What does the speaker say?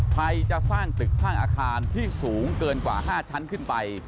ไทยจะสร้างตึกสร้างอาคารที่สูงเกินกว่า๕ชั้นขึ้นไป